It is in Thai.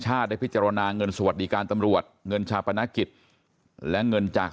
ได้พิจารณาเงินสวัสดิการตำรวจเงินชาปนกิจและเงินจาก